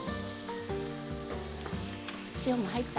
塩も入った？